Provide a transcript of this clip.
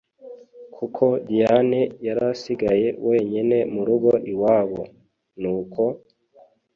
Kuko Diane yarasigaye wenyene murugo iwabo…Nuko